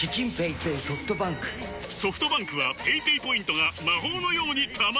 ソフトバンクはペイペイポイントが魔法のように貯まる！